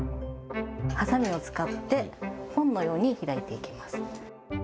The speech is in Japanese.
はさみを使って、本のように開いていきます。